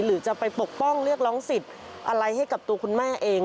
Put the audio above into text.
หรือจะไปปกป้องเรียกร้องสิทธิ์อะไรให้กับตัวคุณแม่เอง